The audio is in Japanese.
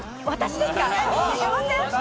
私ですか。